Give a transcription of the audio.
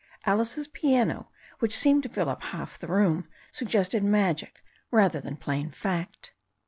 Alice's piano, which seemed to fill up half the room, suggested magic rather than plain fact.